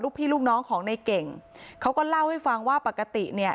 พี่ลูกน้องของในเก่งเขาก็เล่าให้ฟังว่าปกติเนี่ย